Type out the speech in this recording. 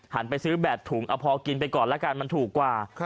ไปซื้อแบบถุงเอาพอกินไปก่อนละกันมันถูกกว่า